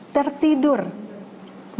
tertidur ibu putri chandrawati